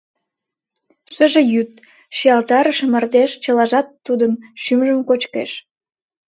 Шыже йӱд, шиялтарыше мардеж — чылажат тудын шӱмжым кочкеш.